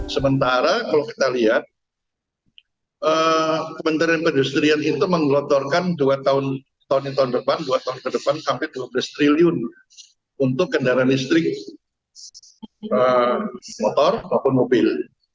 sementara kalau kita lihat kementerian perindustrian itu mengelotorkan dua tahun ke depan sampai rp dua puluh triliun untuk kendaraan listrik motor maupun mobil